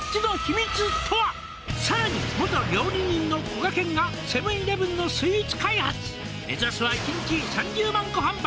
「さらに元料理人のこがけんが」「セブン−イレブンのスイーツ開発」「目指すは１日３０万個販売！」